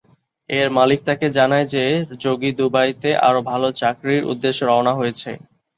এর মালিক তাকে জানায় যে যোগী দুবাইতে আরও ভাল চাকরির উদ্দেশ্যে রওয়ানা হয়েছে।